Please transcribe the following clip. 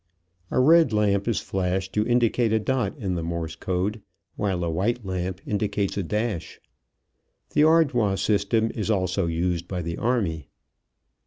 A red lamp is flashed to indicate a dot in the Morse code, while a white lamp indicates a dash. The Ardois system is also used by the Army.